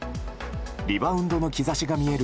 リバウンドの兆しが見える